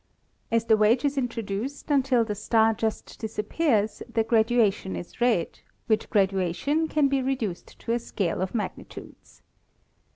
As the wedge is introduced until the star just disappears the graduation is read, which gradu ation can be reduced to a scale of magnitudes.